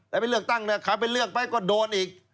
แต่ไปเลือกตั้งเนี่ยใครไปเลือกไปก็โดนอีก